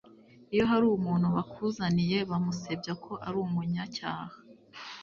iyo hari umuntu bakuzaniye bamusebya ko ari umunyacyaha